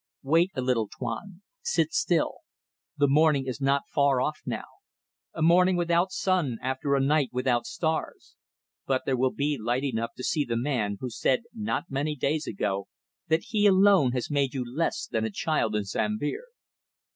"Wait a little, Tuan. Sit still. The morning is not far off now a morning without sun after a night without stars. But there will be light enough to see the man who said not many days ago that he alone has made you less than a child in Sambir."